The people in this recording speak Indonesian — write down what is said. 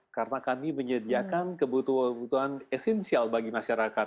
karena kami menyediakan kebutuhan esensial bagi masyarakat